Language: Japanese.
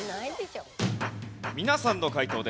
皆さんの解答です。